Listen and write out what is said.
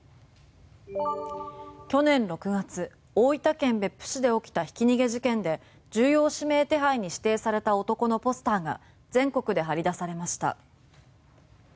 去年６月、大分県別府市で起きたひき逃げ事件で重要指名手配に指定された男のポスターが全国で貼り出されました。